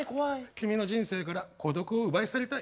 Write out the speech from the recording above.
君の人生から孤独を奪い去りたい。